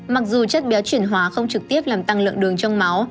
mặc dù chất béo chuyển hóa không trực tiếp làm tăng lượng đường trong máu